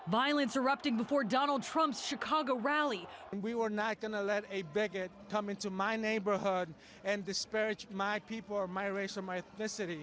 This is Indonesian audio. kampanye donald trump di chicago memang terpaksa dibatalkan akibat adanya aksi protes dari masyarakat